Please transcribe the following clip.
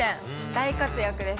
大活躍です。